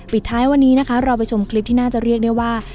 ปิดท้ายวันนี้นะคะเราไปชมคลิปที่น่าจะเรียกได้ว่า